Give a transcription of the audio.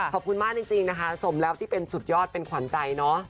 ขอบคุณมากจริงนะคะสมแล้วที่เป็นสุดยอดเป็นขวัญใจเนอะ